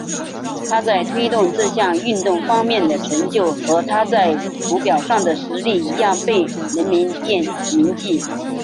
他在推动这项运动方面的成就和他在土俵上的实力一样被人们铭记。